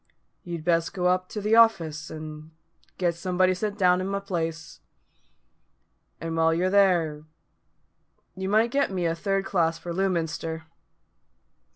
"You'd best go up to the office, and get somebody sent down i' my place. And while you're there, you might get me a third class for Lewminster."